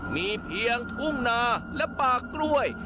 มีเพียงทุ่งนาและป่ากล้วย